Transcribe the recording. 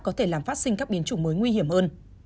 có thể làm phát sinh các biến chủng mới nguy hiểm hơn